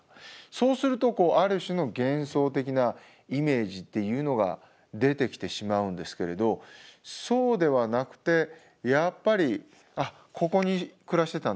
そうするとある種の幻想的なイメージっていうのが出てきてしまうんですけれどそうではなくてやっぱり「あっここに暮らしてたんだな」と。